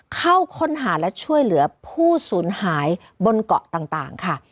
เข้าค้นหาและช่วยเหลือผู้สูญหายบนเกาะต่างค่ะ